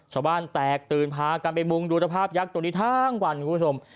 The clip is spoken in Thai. ชาวบ้านแตกตื่นพากันไปมุงดูสภาพยักษ์ตัวนี้ทั้งวันคุณผู้ชม